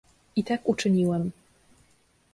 "I tak uczyniłem."